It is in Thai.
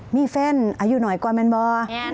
มีแฟนอายุหน่อยกว่าแมนบอ